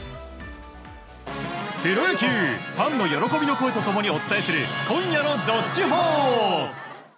プロ野球ファンの喜びと共にお伝えする今夜の「＃どっちほー」。